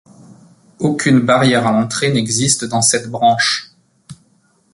Aucune barrière à l'entrée n'existe dans cette branche.